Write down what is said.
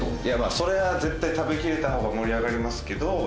いやそれは絶対食べきれた方が盛り上がりますけど。